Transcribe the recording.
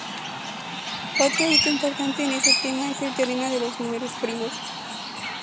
Otro hito importante en este tema es el teorema de los números primos.